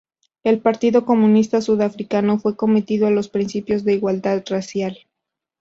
El Partido Comunista Sudafricano fue cometido a los principios de igualdad racial.